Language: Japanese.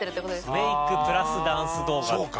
メイクプラスダンス動画って。